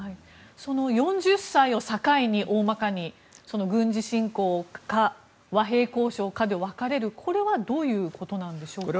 その４０歳を境に大まかに軍事侵攻か和平交渉かで分かれるこれはどういうことなんでしょうか。